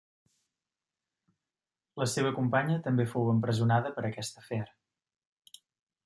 La seva companya també fou empresonada per aquest afer.